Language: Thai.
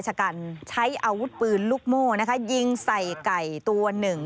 ชะกันใช้อาวุธปืนลูกโม่นะคะยิงใส่ไก่ตัวหนึ่ง